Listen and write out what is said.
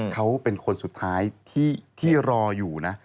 เขาเป็นคนสุดท้ายที่รออยู่นะ